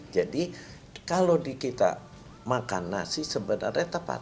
jadi kalau kita makan nasi sebenarnya tepat